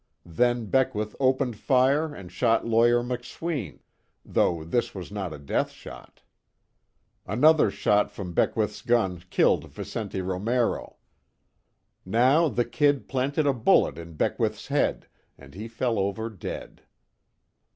Then Beckwith opened fire and shot Lawyer McSween, though this was not a death shot. Another shot from Beckwith's gun killed Vicente Romero. Now the "Kid" planted a bullet in Beckwith's head, and he fell over dead.